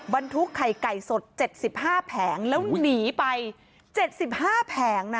บรรทุกไข่ไก่สด๗๕แผงแล้วหนีไป๗๕แผงนะ